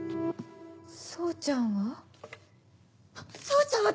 総ちゃんは？